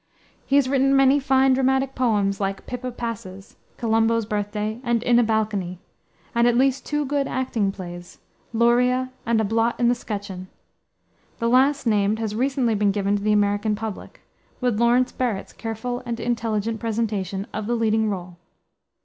He has written many fine dramatic poems, like Pippa Passes, Colombo's Birthday, and In a Balcony; and at least two good acting plays, Luria and A Blot in the Scutcheon. The last named has recently been given to the American public, with Lawrence Barrett's careful and intelligent presentation of the leading rôle.